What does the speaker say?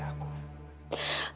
mama tahu kamu mencintai dia